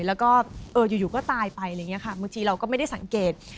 แล้วก็อยู่ก็ตายไปบางทีเราก็ไม่ได้สังเกต